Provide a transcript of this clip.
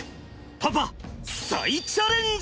パパ再チャレンジ！